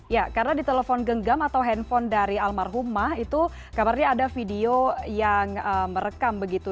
ya karena di telepon genggam atau handphone dari almarhumah itu kabarnya ada video yang merekam begitu